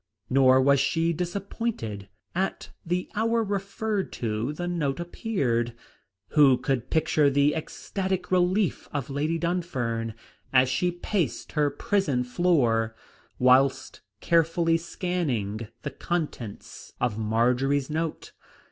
Nor was she disappointed. At the very hour referred to, the note appeared. Who could picture the ecstatic relief of Lady Dunfern as she paced her prison floor, whilst carefully scanning the contents of Marjory's note.